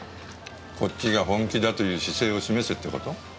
こっちが本気だという姿勢を示せって事？